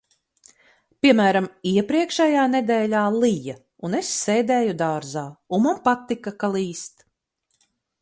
Piemēram, iepriekšējā nedēļā lija, un es sēdēju dārzā, un man patika, ka līst.